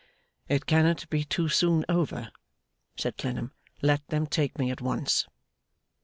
'It cannot be too soon over,' said Clennam. 'Let them take me at once.